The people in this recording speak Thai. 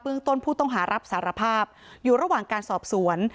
ต้นผู้ต้องหารับสารภาพอยู่ระหว่างการสอบสวน